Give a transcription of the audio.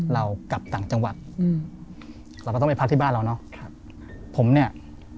เรากลับต่างจังหวัดอืมเราก็ต้องไปพักที่บ้านเราเนอะครับผมเนี่ย